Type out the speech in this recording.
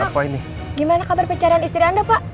pak nino gimana kabar pencarian istri anda pak